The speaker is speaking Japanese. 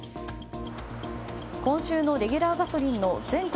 今週のレギュラーガソリンの全国